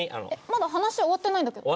まだ話終わってないんだけど。